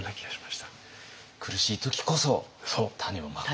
苦しい時こそ種をまく。